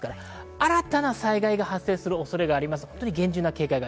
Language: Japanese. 新たな災害が発生する恐れがあります。